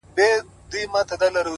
o ما خو گيله ترې په دې په ټپه کي وکړه،